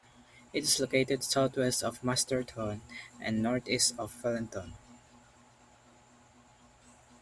It is located southwest of Masterton and northeast of Wellington.